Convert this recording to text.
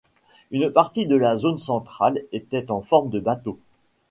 Une partie de la zone centrale était en forme de bateau.